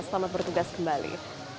selamat bertugas kembali